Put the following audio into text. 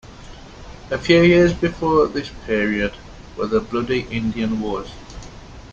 A few years before this period were the bloody Indian Wars.